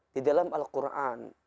di dalam al quran